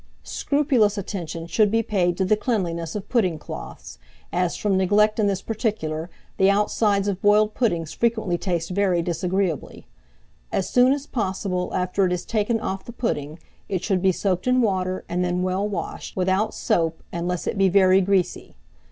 Scrupulous attention should be paid to the cleanliness of pudding cloths, as, from neglect in this particular, the outsides of boiled puddings frequently taste very disagreeably. As soon as possible after it is taken off the pudding, it should be soaked in water, and then well washed, without soap, unless it be very greasy.